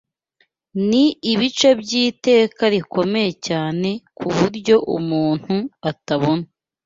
ni ibice by'iteka rikomeye cyane ku buryo umuntu atabona